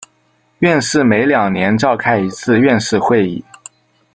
院士每两年召开一次院士会议。